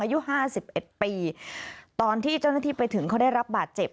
อายุห้าสิบเอ็ดปีตอนที่เจ้าหน้าที่ไปถึงเขาได้รับบาดเจ็บ